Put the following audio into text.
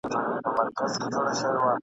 بس یو نوبت وو درته مي تېر کړ ..